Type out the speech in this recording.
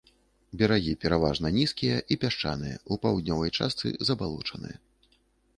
Берагі пераважна нізкія і пясчаныя, у паўднёвай частцы забалочаныя.